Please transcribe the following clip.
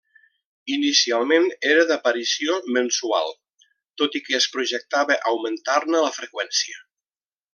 Inicialment era d'aparició mensual, tot i que es projectava augmentar-ne la freqüència.